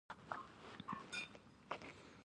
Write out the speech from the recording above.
د ګرمۍ د حساسیت لپاره کومې اوبه وڅښم؟